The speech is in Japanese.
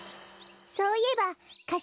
そういえばか